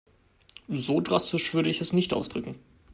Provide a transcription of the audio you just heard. So drastisch würde ich es nicht ausdrücken.